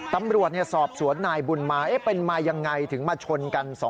ตำรวจสอบสวนนายบุญมาเป็นมายังไงถึงมาชนกัน